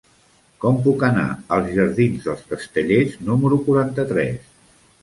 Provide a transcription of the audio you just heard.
Com puc anar als jardins dels Castellers número quaranta-tres?